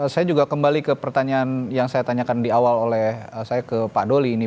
saya juga kembali ke pertanyaan yang saya tanyakan di awal oleh saya ke pak doli ini